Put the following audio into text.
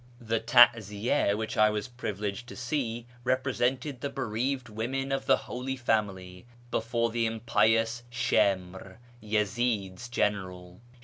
The taziya which I was privileged to see represented the bereaved women of the Holy Family before the impious Shimr, Yezi'd's general.